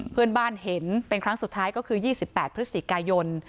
เพื่อนบ้านเห็นเป็นครั้งสุดท้ายก็คือ๒๘พฤศจิกายน